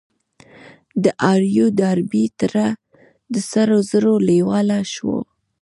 د آر يو ډاربي تره د سرو زرو لېواله شو.